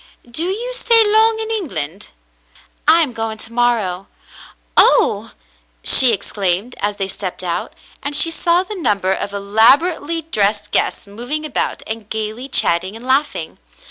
"Do you stay long in England?" "I am going to morrow. Oh !" she exclaimed, as they stepped out, and she saw the number of elaborately dressed guests moving about and gayly chatting and laughing.